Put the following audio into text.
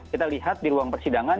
kita lihat di ruang persidangan